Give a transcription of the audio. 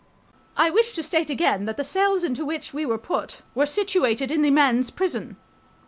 .. I wish to state again that the cells into which we were put were situated in the men's prison.